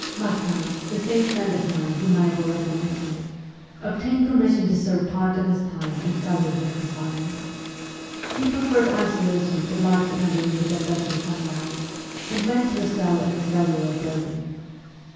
Martin, the same friend of mine whom I have already mentioned, obtained permission to serve part of his time in cellular confinement. He preferred isola tion to life in a room with a dozen comrades, and went to a cell in the cellular building.